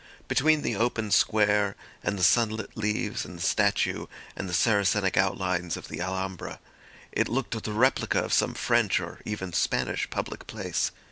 Between the open square and the sunlit leaves and the statue and the Saracenic outlines of the Alhambra, it looked the replica of some French or even Spanish public place.